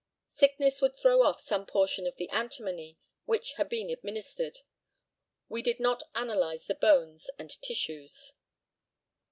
Sickness would throw off some portion of the antimony, which had been administered. We did not analyse the bones and tissues.